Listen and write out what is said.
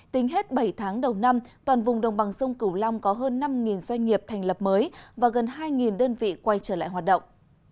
tính hết bảy tháng đầu năm toàn vùng đồng bằng sông cửu long có hơn năm doanh nghiệp thành lập mới và gần hai đơn vị quay trở lại hoạt động